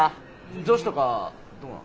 女子とかどうなの？